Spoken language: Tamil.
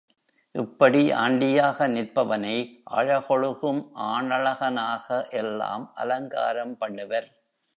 இப்படி ஆண்டியாக நிற்பவனை அழகொழுகும் ஆணழகனாக எல்லாம் அலங்காரம் பண்ணுவர்.